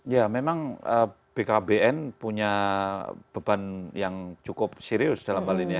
ya memang bkkbn punya beban yang cukup serius dalam hal ini